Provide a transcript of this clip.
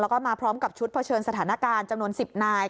แล้วก็มาพร้อมกับชุดเผชิญสถานการณ์จำนวน๑๐นาย